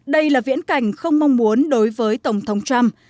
đây là viễn cảnh không mong muốn đối với tổng thống trump